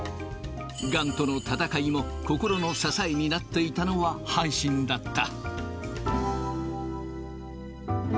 がんとの闘いも心の支えになっていたのは阪神だった。